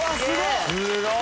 すごい！